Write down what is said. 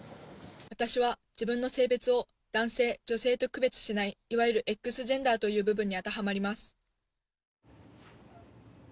私は自分の性別を男性女性と区別しないいわゆるＸジェンダーという部分に当てはまります。